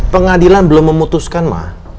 pengadilan belum memutuskan ma